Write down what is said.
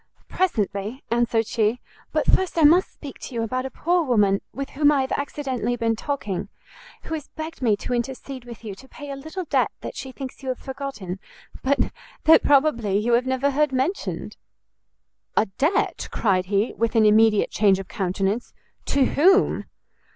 "Presently," answered she; "but first I must speak to you about a poor woman with whom I have accidentally been talking, who has begged me to intercede with you to pay a little debt that she thinks you have forgotten, but that probably you have never heard mentioned." "A debt?" cried he, with an immediate change of countenance, "to whom?"